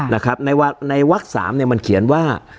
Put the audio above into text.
นะครับในวัก๓เนี่ยมันเขียนว่า